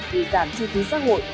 vì giảm chi phí xã hội